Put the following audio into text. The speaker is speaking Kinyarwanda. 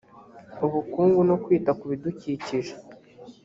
ubukungu no kwita ku bidukikije